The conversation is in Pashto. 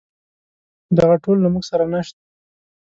دغه ټول له موږ سره نشته.